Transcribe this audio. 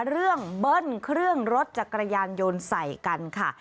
เรื่องเบิ้ลเครื่องรถจากกระยานยนต์ใส่กันค่ะ